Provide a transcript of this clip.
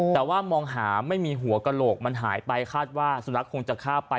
แต่ว่ามองหาไม่มีหัวกระโหลกมันหายไปคาดว่าสุนัขคงจะฆ่าไป